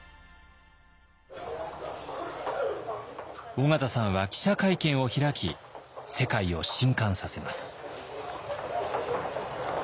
緒方さんは記者会見を開き世界を震撼させます。